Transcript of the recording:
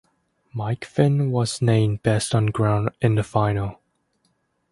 Mike Finn was named Best on Ground in the final.